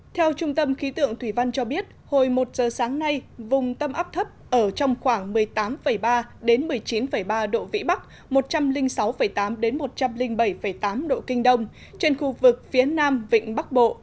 theo trung tâm khí tượng thủy văn cho biết hồi một giờ sáng nay vùng tâm áp thấp ở trong khoảng một mươi tám ba một mươi chín ba độ vĩ bắc một trăm linh sáu tám một trăm linh bảy tám độ kinh đông trên khu vực phía nam vịnh bắc bộ